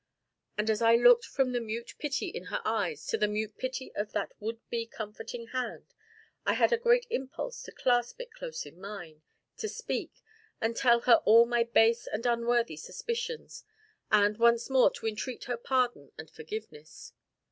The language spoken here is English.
And as I looked from the mute pity of her eyes to the mute pity of that would be comforting hand, I had a great impulse to clasp it close in mine, to speak, and tell her all my base and unworthy suspicions, and, once more, to entreat her pardon and forgiveness.